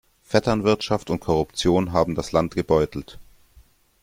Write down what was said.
Vetternwirtschaft und Korruption haben das Land gebeutelt.